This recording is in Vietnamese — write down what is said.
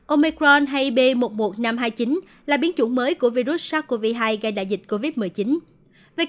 omicron hay b một một năm trăm hai mươi chín là biến chủng mới của virus sars cov hai gây đại dịch covid một mươi chín